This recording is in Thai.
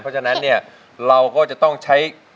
เพราะฉะนั้นเนี่ยเราก็จะต้องใช้